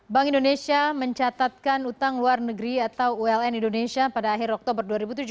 bank indonesia mencatatkan utang luar negeri atau uln indonesia pada akhir oktober dua ribu tujuh belas